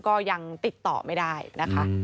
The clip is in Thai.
ก็ยังติดต่อไม่ได้นะคะ